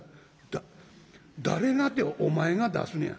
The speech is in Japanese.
「だ誰がてお前が出すねや」。